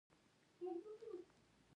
دا کتاب د پښتو ژبې ګرامر دی.